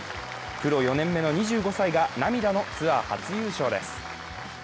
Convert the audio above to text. プロ４年目の２５歳が涙のツアー初優勝です。